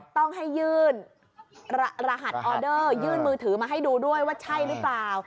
ต้องให้ยื่นรหัสออเดอร์ยื่นมือถือมาให้ดูด้วยว่าใช่หรือเปล่า